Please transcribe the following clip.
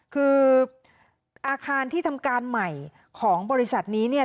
คืออาคารที่ทำการใหม่ของบริษัทนี้เนี่ย